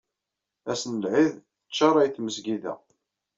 Ass n Lɛid teččaray tmezgida.